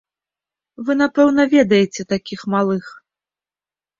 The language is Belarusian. Вы, напэўна, ведаеце такіх малых.